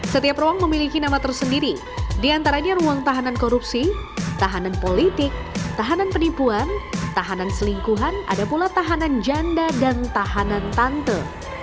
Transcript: setiap ruang memiliki nama tersendiri diantaranya ruang tahanan korupsi tahanan politik tahanan penipuan tahanan selingkuhan ada pula tahanan janda dan tahanan tante